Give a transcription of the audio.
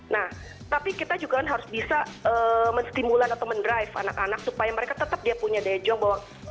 nah tapi kita juga harus bisa menstimulan atau men drive anak anak supaya mereka tetap dia punya dejong